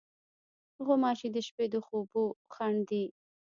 غوماشې د شپې د خوبو خنډ دي.